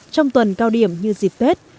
trong tuần cao điểm như dịp tết